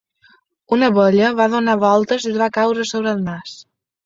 Una abella va donar voltes i li va caure sobre el nas.